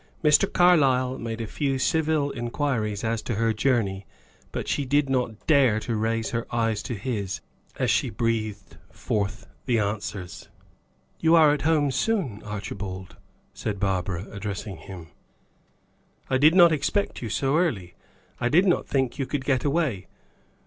Mr. Carlyle made a few civil inquiries as to her journey, but she did not dare to raise her eyes to his, as she breathed forth the answers. "You are at home soon, Archibald," said Barbara, addressing him. "I did not expect you so early. I did not think you could get away.